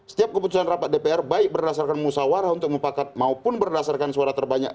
setiap keputusan rapat dpr baik berdasarkan musawarah untuk mupakat maupun berdasarkan suara terbanyak